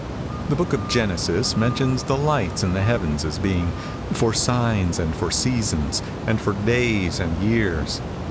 The Book of Genesis mentions the lights in the heavens as being 'for signs and for seasons, and for days and years.'